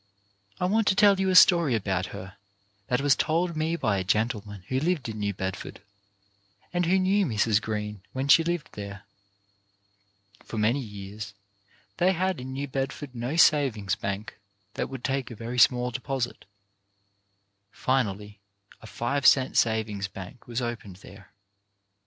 I want to tell you a story about her that was told me by a gentleman who lived in New Bedford, and who knew Mrs. Green when she lived there. For many years they had in New Bedford no savings bank that would take a very small deposit. Finally a five cent savings bank was opened there.